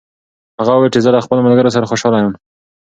هغه وویل چې زه له خپلو ملګرو سره خوشحاله یم.